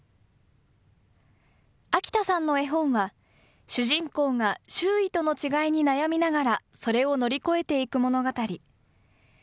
秋田さんの絵本は主人公が周囲との違いに悩みながら、それを乗り越えていく物語。